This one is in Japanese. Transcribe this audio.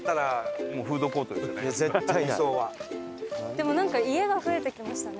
でもなんか家が増えてきましたね。